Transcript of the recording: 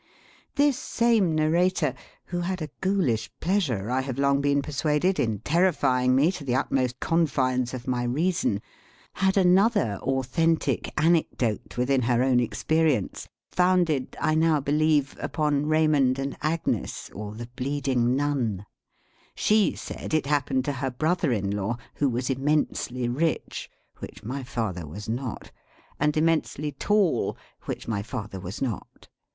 This same narrator, who had a Ghoulish pleasure, I have long been persuaded, in terrifying me to the utmost confines of my reason, had another authentic anecdote within her own experience, founded, I now believe, upon Raymond and Agnes, or the Bleeding Nun. She said it happened to her brother in law, who was immensely rich, which my father was not; and immensely tall, which my father was not.